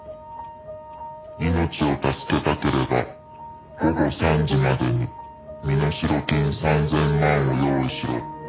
「命を助けたければ午後３時までに身代金３０００万を用意しろ」